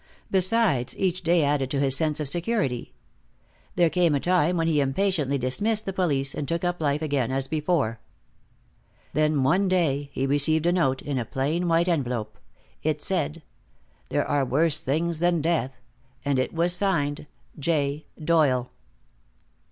Besides, each day added to his sense of security. There came a time when he impatiently dismissed the police, and took up life again as before. Then one day he received a note, in a plain white envelope. It said: "There are worse things than death." And it was signed: "J. Doyle."